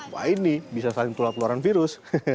wah ini bisa saling tular keluaran virus